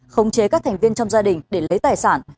khống chế các thành viên trong gia đình để lấy tài sản